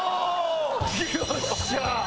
よっしゃー！